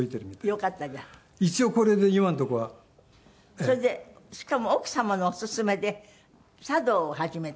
それでしかも奥様のオススメで茶道を始めた。